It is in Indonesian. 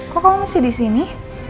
kok kamu masih disini